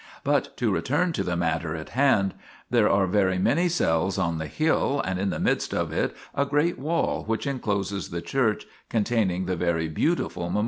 But to return to the matter in hand : there are very many cells on the hill and in the midst of it a great wall which encloses the church containing the very beautiful memorial.